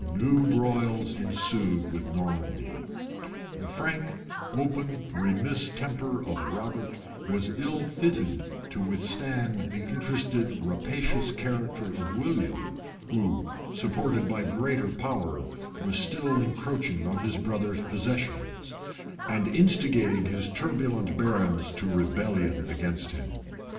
New broils ensued with Normandy. The frank, open, remiss temper of Robert was ill fitted to withstand the interested, rapacious character of William, who, supported by greater power, was still encroaching on his brother's possessions, and instigating his turbulent barons to rebellion against him.